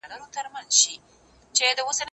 هغه وويل چي لوبه ښه ده،